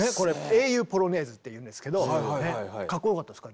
「英雄ポロネーズ」っていうんですけどかっこよかったですか？